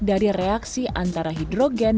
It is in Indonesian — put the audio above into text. dari reaksi antara hidrogen